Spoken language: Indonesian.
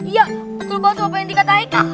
iya betul banget tuh apa yang dikatakan